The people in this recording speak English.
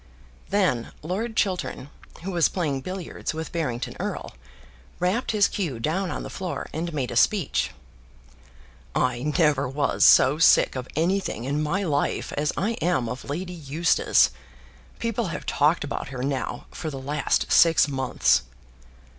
Then Lord Chiltern, who was playing billiards with Barrington Erle, rapped his cue down on the floor, and made a speech. "I never was so sick of anything in my life as I am of Lady Eustace. People have talked about her now for the last six months."